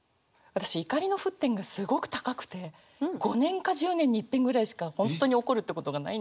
私怒りの沸点がすごく高くて５年か１０年にいっぺんぐらいしか本当に怒るってことがないんですよ。